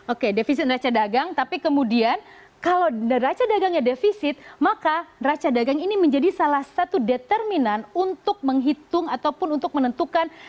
oke defisit neraca dagang tapi kemudian kalau neraca dagangnya defisit maka raca dagang ini menjadi salah satu determinan untuk menghitung ataupun untuk menentukan